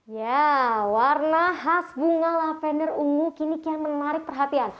ya warna khas bunga lavender ungu kini kian menarik perhatian